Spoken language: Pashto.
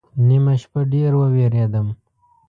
نیمه شپه ډېر ووېرېدم